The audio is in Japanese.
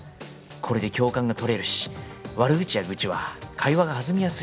これで共感が取れるし悪口や愚痴は会話が弾みやすい。